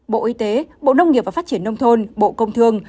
bộ y tế bộ nông nghiệp và phát triển nông thôn bộ công thương